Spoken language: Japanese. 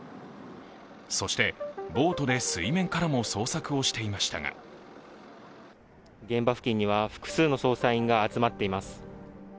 そしてボートで水面からも捜索をしていましたが現場付近には複数の捜査員が集まっています。